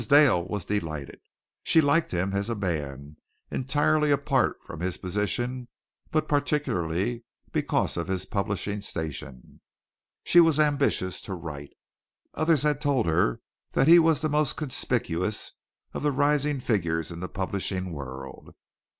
Dale was delighted. She liked him as a man entirely apart from his position but particularly because of his publishing station. She was ambitious to write. Others had told her that he was the most conspicuous of the rising figures in the publishing world.